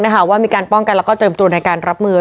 ว่ามีการป้องกันแล้วก็เตรียมตัวในการรับมือ